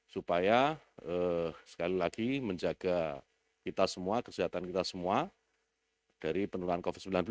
supaya sekali lagi menjaga kita semua kesehatan kita semua dari penularan covid sembilan belas